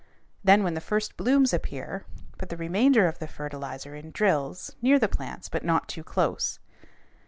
Then when the first blooms appear, put the remainder of the fertilizer in drills near the plants but not too close.